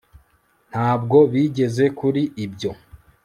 ntabwo bigeze kuri ibyo